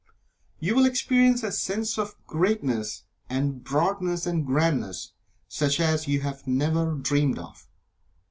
You will experience a sense of greatness, and broadness and grandness such as you have never dreamed of.